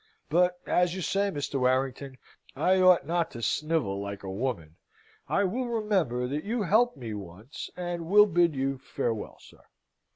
But, as you say, Mr. Warrington, I ought not to snivel like a woman. I will remember that you helped me once, and will bid you farewell, sir."